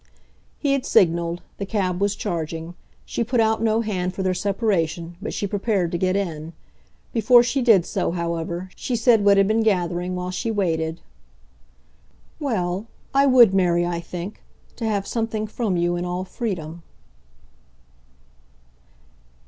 He had signalled the cab was charging. She put out no hand for their separation, but she prepared to get in. Before she did so, however, she said what had been gathering while she waited. "Well, I would marry, I think, to have something from you in all freedom."